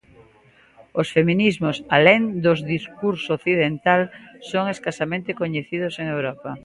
Os feminismos alén dos discurso occidental son escasamente coñecidos en Europa.